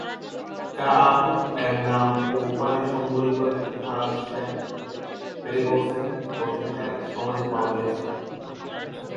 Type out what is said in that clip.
কা'আ'-এর নাম ও উপাধি সম্বলিত একটি থালা শেথ-পেরিবসেন এর সমাধিতে পাওয়া গিয়েছে।